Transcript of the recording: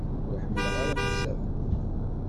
Ur ḥemmleɣ ara iqezzaben.